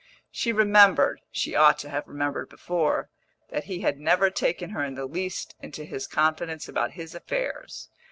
She remembered (she ought to have remembered before) that he had never taken her in the least into his confidence about his affairs.